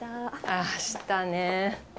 明日ね。